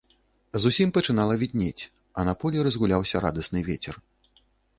Зусім пачынала віднець, а на полі разгуляўся радасны вецер.